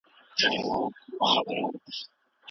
احمدشاه بابا د یووالي او قدرت سمبول و.